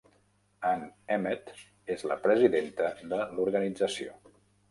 Ann Emmett és la presidenta de l'organització.